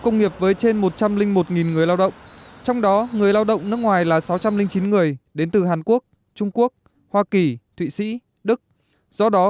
người lao động nước ngoài là sáu trăm linh chín người đến từ hàn quốc trung quốc hoa kỳ thụy sĩ đức do đó